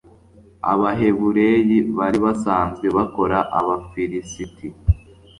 abahebureyi bari basanzwe bakorera abafilisiti